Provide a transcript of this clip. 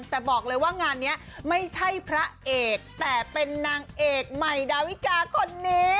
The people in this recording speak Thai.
แต่บอกเลยว่างานนี้ไม่ใช่พระเอกแต่เป็นนางเอกใหม่ดาวิกาคนนี้